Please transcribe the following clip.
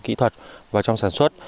kỹ thuật vào trong sản xuất